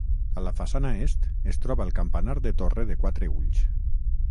A la façana est es troba el campanar de torre de quatre ulls.